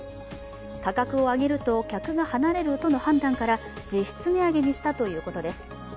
価格を上げると客が離れるとの判断から実質値上げにしたということです。